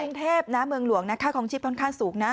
กรุงเทพนะเมืองหลวงนะค่าคลองชีพค่อนข้างสูงนะ